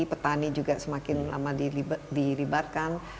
petani juga semakin lama diribatkan